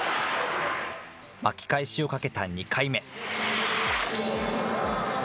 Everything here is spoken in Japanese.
巻き返しをかけた２回目。